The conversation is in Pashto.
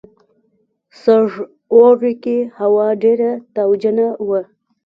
سږ اوړي کې هوا ډېره تاوجنه وه.